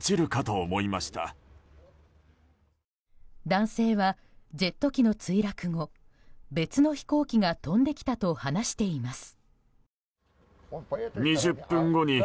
男性はジェット機の墜落後別の飛行機が飛んできたと話しています。